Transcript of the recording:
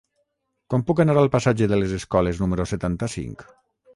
Com puc anar al passatge de les Escoles número setanta-cinc?